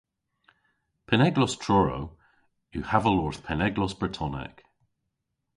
Penneglos Truru yw haval orth penneglos bretonek.